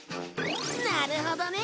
なるほどね！